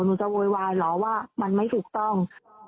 หนูจะโวยวายเหรอว่าร้องคล่อนเซ็นยังไม่ถูกต้อง